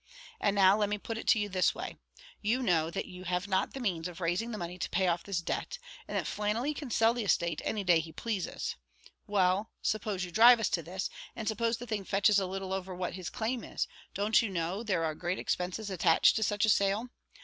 And now let me put it to you this way: you know that you have not the means of raising the money to pay off this debt, and that Flannelly can sell the estate any day he pleases; well, suppose you drive us to this, and suppose the thing fetches a little over what his claim is, don't you know there are great expenses attached to such a sale?